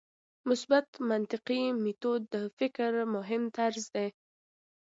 مثبت منطقي میتود د فکر مهم طرز دی.